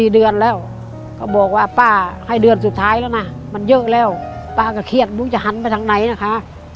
เดือนแล้วก็บอกว่าป้าให้เดือนสุดท้ายแล้วนะมันเยอะแล้วป้าก็เครียดมึงจะหันไปทางไหนนะคะ